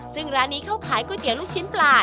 ซึ่งร้านนี้เขาขายก๋วยเตี๋ยวลูกชิ้นปลา